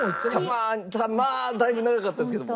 だいぶ長かったですけども。